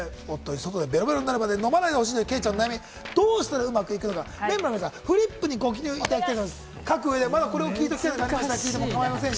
夫にベロベロになるまで飲まないで欲しいというケイちゃんの悩み、どうしたらいいのか、皆さん、フリップにご記入いただきたい。